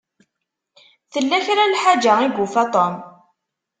Tella kra n lḥaǧa i yufa Tom.